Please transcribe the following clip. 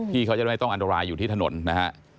เขาจะไม่ต้องอันตรายอยู่ที่ถนนนะฮะ